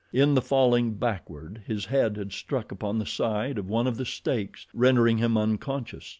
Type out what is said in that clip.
In the falling backward his head had struck upon the side of one of the stakes, rendering him unconscious.